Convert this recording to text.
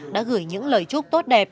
đã gửi những lời chúc tốt đẹp